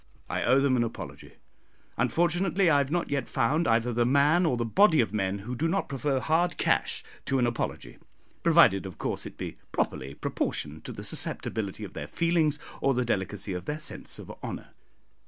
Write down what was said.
I owe them an apology. Unfortunately I have not yet found either the man or the body of men who do not prefer hard cash to an apology provided, of course, it be properly proportioned to the susceptibility of their feelings or the delicacy of their sense of honour.